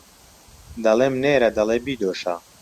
دەڵێم نێرە دەڵێ بیدۆشە